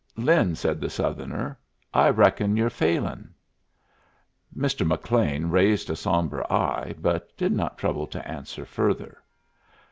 "Lin," said the Southerner, "I reckon you're failin'." Mr. McLean raised a sombre eye, but did not trouble to answer further.